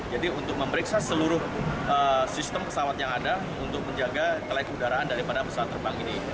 jadi untuk memeriksa seluruh sistem pesawat yang ada untuk menjaga kelaid udaraan daripada pesawat terbang ini